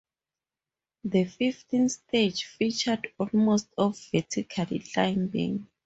The fifteenth stage featured almost of vertical climbing.